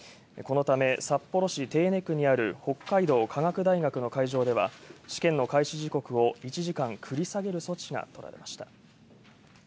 このため、札幌市手稲区にある北海道科学大学の会場では試験の開始時刻を１時間繰り下げる措置がとられました。